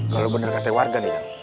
kalau bener kata warga nih ya